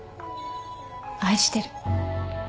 愛してる。